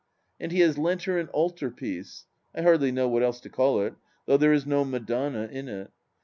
And he has lent her an altar piece — I hardly know what else to call it — though there is no Madonna in it.